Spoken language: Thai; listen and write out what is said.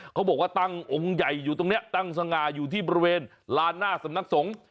เขาบอกว่าตั้งองค์ใหญ่อยู่ตรงนี้ตั้งสง่าอยู่ที่บริเวณลานหน้าสำนักสงฆ์